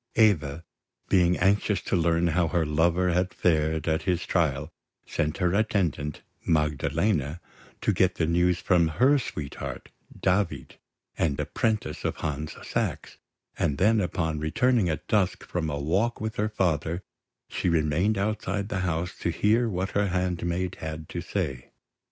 Eva, being anxious to learn how her lover had fared at his trial, sent her attendant, Magdalena, to get the news from her sweetheart, David, the apprentice of Hans Sachs; and then, upon returning at dusk from a walk with her father, she remained outside the house, to hear what her handmaid had to say.